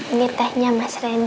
ini tehnya mas randy